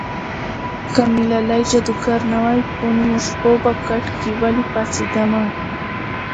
که مې لالی جادوګر نه وای په نیمو شپو به کټ کې ولې پاڅېدمه